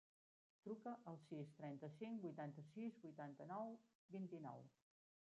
Truca al sis, trenta-cinc, vuitanta-sis, vuitanta-nou, vint-i-nou.